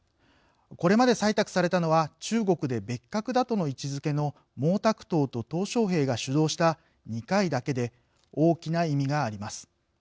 これまで採択されたのは中国で別格だとの位置づけの毛沢東と小平が主導した２回だけで大きな意味があります。